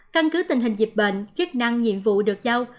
căn cứ tình hình dịch bệnh chức năng nhiệm vụ được giao